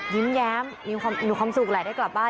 ยิ้มแย้มมีความสุขแหละได้กลับบ้าน